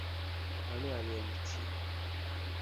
আমি আনিয়ে দিচ্ছি।